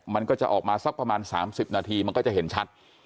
มันก็จะออกมาสักประมาณ๓๐นาทีมันก็จะเห็นชัด